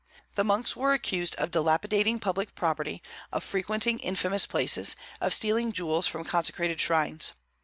The monks were accused of dilapidating public property, of frequenting infamous places, of stealing jewels from consecrated shrines.